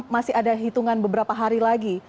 masih ada hitungan beberapa hari lagi